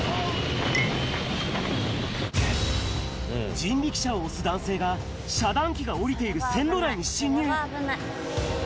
人力車を押す男性が、遮断機が下りている線路内に進入。